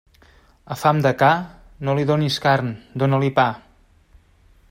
A fam de ca, no li donis carn, dóna-li pa.